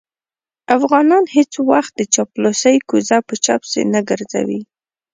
افغانان هېڅ وخت د چاپلوسۍ کوزه په چا پسې نه ګرځوي.